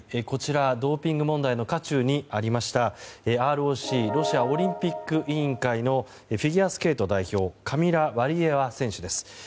こちら、ドーピング問題の渦中にありましたＲＯＣ・ロシアオリンピック委員会のフィギュアスケート代表カミラ・ワリエワ選手です。